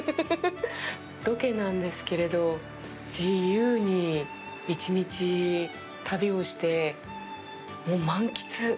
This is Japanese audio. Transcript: ロケなんですけれど自由に１日旅をしてもう満喫。